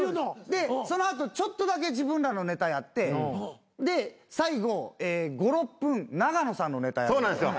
でその後ちょっとだけ自分らのネタやってで最後５６分永野さんのネタやるんですよ。